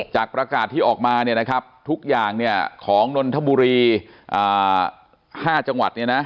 จากประกาศที่ออกมาทุกอย่างของนนทบุรี๕จังหวัด